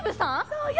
⁉そうよ。